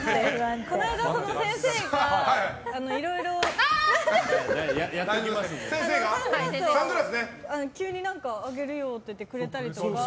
この間、先生がいろいろサングラスを急にあげるよって言ってくれたりとか。